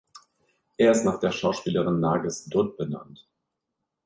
Er ist nach der Schauspielerin Nargis Dutt benannt.